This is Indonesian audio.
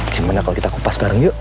gimana kalau kita kupas bareng yuk